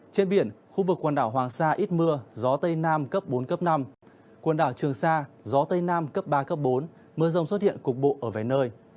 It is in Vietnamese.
trên biển khu vực quần đảo hoàng sa ít mưa gió tây nam cấp bốn cấp năm quần đảo trường sa gió tây nam cấp ba bốn mưa rông xuất hiện cục bộ ở vài nơi